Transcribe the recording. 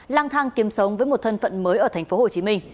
lang thang kiếm sống với một thân phận mới ở tp hcm